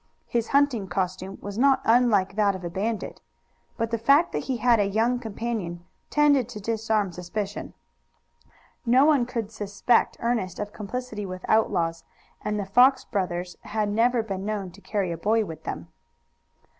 His hunting costume was not unlike that of a bandit. But the fact that he had a young companion tended to disarm suspicion. No one could suspect Ernest of complicity with outlaws, and the Fox brothers had never been known to carry a boy with them.